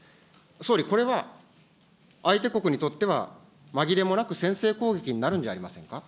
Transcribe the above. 総理、これは相手国にとっては、まぎれもなく先制攻撃になるんじ